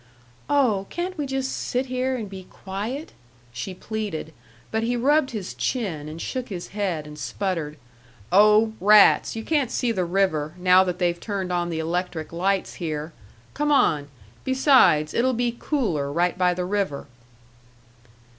"Oh, can't we just sit here and be quiet?" she pleaded, but he rubbed his chin and shook his head and sputtered: "Oh, rats, you can't see the river, now that they've turned on the electric lights here. Come on. Besides, it'll be cooler right by the river."